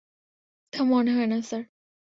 তা মনে হয় না, স্যার।